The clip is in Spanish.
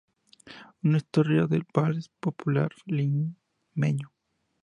Una historia del vals popular limeño".